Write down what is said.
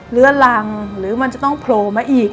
เหลือรังหรือมันจะต้องโผล่มาอีก